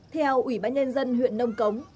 theo ủy bãi nhân dân huyện nông cống